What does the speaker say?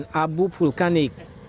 dan terjadi abu vulkanik